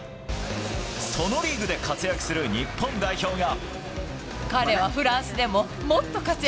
そのリーグで活躍する日本代表が。